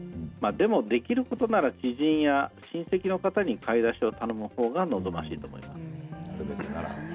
でも、できることなら知人や親戚の方に買い出しを頼むほうが望ましいと思います。